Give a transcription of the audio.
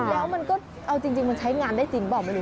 แล้วมันก็เอาจริงใช้งานได้จริงบอกไม่รู้